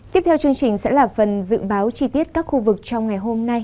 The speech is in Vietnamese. tiếp theo chương trình sẽ là phần dự báo chi tiết các khu vực trong ngày hôm nay